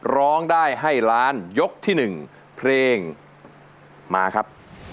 ร้องได้ให้ล้านยกที่๑เพลงมาครับ